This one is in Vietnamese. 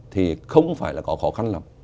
thì không phải là có khó khăn lắm